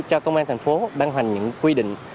cho công an thành phố ban hành những quy định